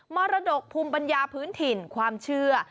มรดกภูมิปัญญาพื้นถิ่นความเชื่อ